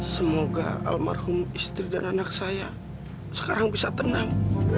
semoga almarhum istri dan anak saya sekarang bisa tenang